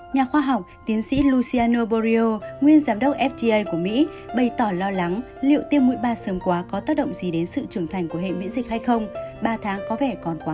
nhà khoa học tiến sĩ luciano borio nguyên giám đốc fda của mỹ bày tỏ lo lắng liệu tiêm mũi ba sớm quá có tác động gì đến sức khỏe